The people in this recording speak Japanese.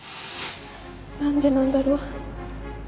なんでなんだろう。